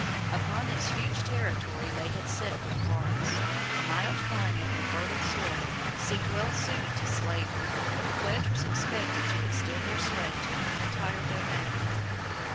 Upon this huge territory they had set their hearts. The mild climate and fertile soil seemed well suited to slavery and the planters expected to extend their sway to the entire domain.